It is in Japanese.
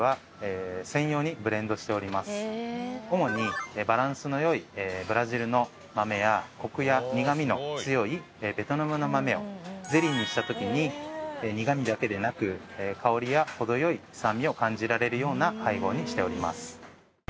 主にバランスの良いブラジルの豆やコクや苦みの強いベトナムの豆をゼリーにした時に苦みだけでなく香りや程良い酸味を感じられるような配合にしております。